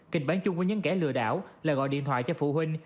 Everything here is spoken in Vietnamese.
kịch bản chung của những kẻ lừa đảo là gọi điện thoại cho phụ huynh